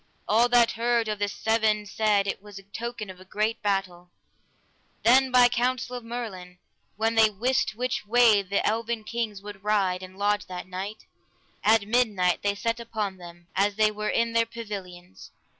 All that heard of the sweven said it was a token of great battle. Then by counsel of Merlin, when they wist which way the eleven kings would ride and lodge that night, at midnight they set upon them, as they were in their pavilions.